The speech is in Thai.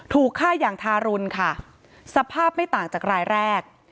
ถูกฆ่าอย่างทารุณค่ะสภาพไม่ต่างจากรายแรก